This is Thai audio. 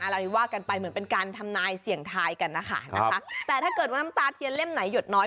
เราว่ากันไปเหมือนเป็นการทำนายเสี่ยงทายกันนะคะนะคะแต่ถ้าเกิดว่าน้ำตาเทียนเล่มไหนหยดน้อย